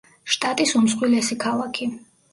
შტატის უმსხვილესი ქალაქი.